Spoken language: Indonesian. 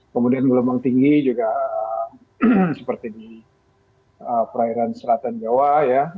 kemudian gelombang tinggi juga seperti di perairan selatan jawa ya